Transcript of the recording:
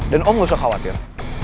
dan om gak usah khawatir